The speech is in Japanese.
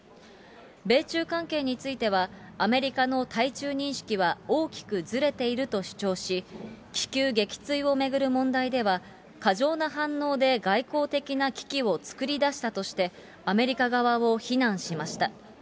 米中関係については、アメリカの対中認識は大きくずれていると主張し、気球撃墜を巡る問題では、過剰な反応で外交的な危機を作り出したとして、アメリカ側を非難しました。